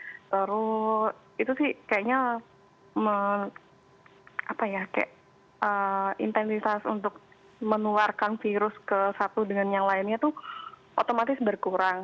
terus itu sih kayaknya intensitas untuk menularkan virus ke satu dengan yang lainnya tuh otomatis berkurang